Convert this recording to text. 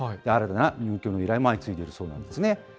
新たな入居の依頼も相次いでいるそうなんですね。